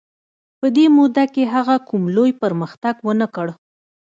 په دې موده کې هغه کوم لوی پرمختګ ونه کړ.